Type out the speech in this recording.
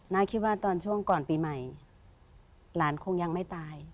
คิดว่าตอนช่วงก่อนปีใหม่หลานคงยังไม่ตาย